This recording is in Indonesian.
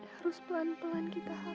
harus pelan pelan kita